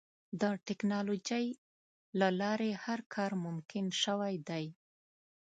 د ټکنالوجۍ له لارې هر کار ممکن شوی دی.